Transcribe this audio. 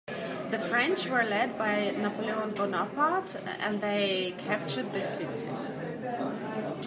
The French were led by Napoleon Bonaparte, and they captured the city.